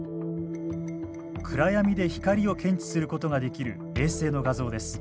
暗闇で光を検知することができる衛星の画像です。